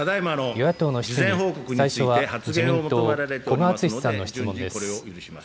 与野党の質疑、最初は自民党、古賀篤さんの質問です。